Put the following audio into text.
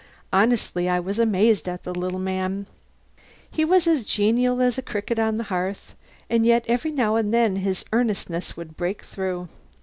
Honestly I was amazed at the little man. He was as genial as a cricket on the hearth, and yet every now and then his earnestness would break through.